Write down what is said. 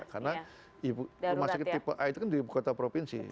karena ibu masyarakat tipe a itu kan di ibu kota provinsi